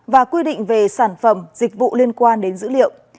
và quy định về sản phẩm dịch vụ liên quan đến dữ liệu